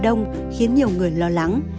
đông khiến nhiều người lo lắng